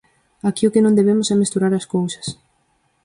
Aquí o que non debemos é mesturar as cousas.